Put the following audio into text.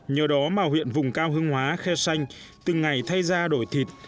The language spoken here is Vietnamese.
nhờ đó mà huyện vùng cao hương hóa khe xanh từng ngày thay ra đổi thịt